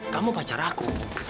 kamu pacar aku